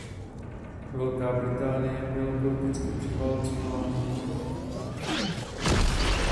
Velká Británie byla politicky převálcovaná.